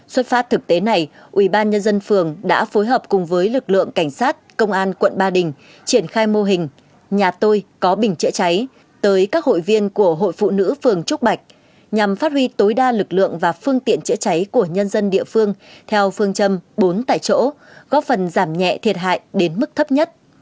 xuất phát thực tế này ubnd phường đã phối hợp cùng với lực lượng cảnh sát công an quận ba đình triển khai mô hình nhà tôi có bình chữa cháy tới các hội viên của hội phụ nữ phường trúc bạch nhằm phát huy tối đa lực lượng và phương tiện chữa cháy của nhân dân địa phương theo phương châm bốn tại chỗ góp phần giảm nhẹ thiệt hại đến mức thấp nhất